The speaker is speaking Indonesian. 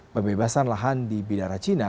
pembebasan lahan di bidara cina